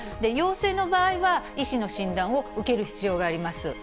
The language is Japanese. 陽性の場合は、医師の診断を受ける必要があります。